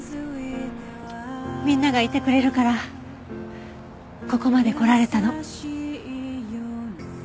みんながいてくれるからここまで来られたの。